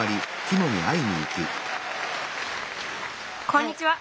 こんにちは。